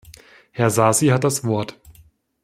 Herr Sasi hat das Wort.